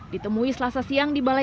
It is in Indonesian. ditemui selasa siang di balai